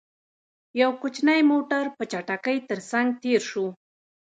يو کوچينی موټر، په چټکۍ تر څنګ تېر شو.